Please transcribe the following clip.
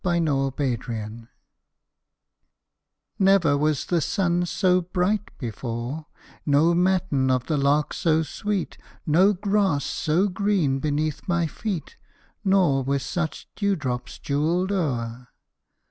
A SUMMER MORNING Never was sun so bright before, No matin of the lark so sweet, No grass so green beneath my feet, Nor with such dewdrops jewelled o'er.